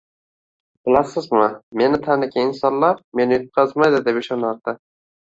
Bilasizmi, meni tanigan insonlar meni yutqazmaydi deb ishonardi